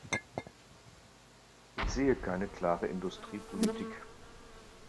Ich sehe keine klare Industriepolitik.